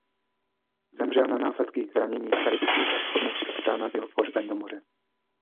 Zemřel na následky zranění v Karibiku v hodnosti kapitána byl pohřben do moře.